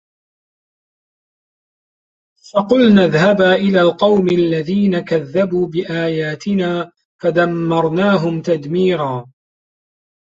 فَقُلنَا اذهَبا إِلَى القَومِ الَّذينَ كَذَّبوا بِآياتِنا فَدَمَّرناهُم تَدميرًا